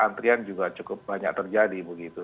antrian juga cukup banyak terjadi begitu